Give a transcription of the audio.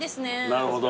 なるほど。